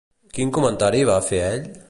Quin comentari va fer ell?